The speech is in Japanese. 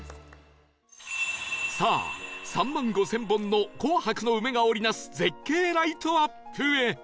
さあ３万５０００本の紅白の梅が織り成す絶景ライトアップへ